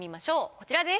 こちらです。